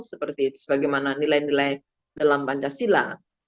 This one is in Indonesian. seperti itu sebagaimana nilai nilai dalam pancasila